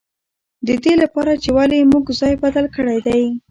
د دې له پاره چې ولې موږ ځای بدل کړی دی.